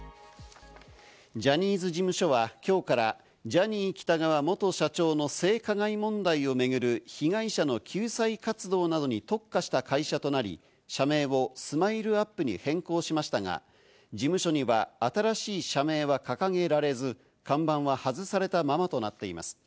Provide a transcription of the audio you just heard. ジャニーズ事務所はきょうからジャニー喜多川元社長の性加害問題を巡る被害者の救済活動などに特化した会社となり、社名をＳＭＩＬＥ‐ＵＰ．に変更しましたが、事務所には新しい社名は掲げられず、看板は外されたままとなっています。